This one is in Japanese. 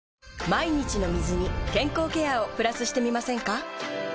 毎日の水に健康ケアをプラスしてみませんか？